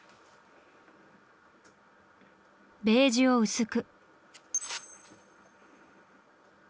ベージュを薄く。